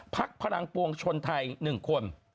พลังปวงชนไทย๑คน